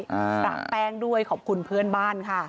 ปราบแป้งด้วยขอบคุณเพื่อนบ้านค่ะ